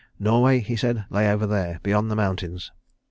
Norway, he said, lay over there, beyond the mountains.